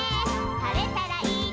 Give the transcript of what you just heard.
「晴れたらいいね」